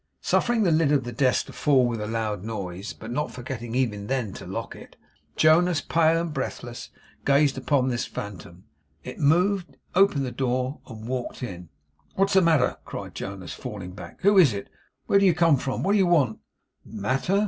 Suffering the lid of the desk to fall with a loud noise, but not forgetting even then to lock it, Jonas, pale and breathless, gazed upon this phantom. It moved, opened the door, and walked in. 'What's the matter?' cried Jonas, falling back. 'Who is it? Where do you come from? What do you want?' 'Matter!